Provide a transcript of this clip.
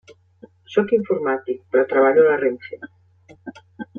Sóc informàtic, però treballo a la RENFE.